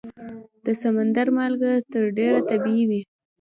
د سمندر مالګه تر ډېره طبیعي وي.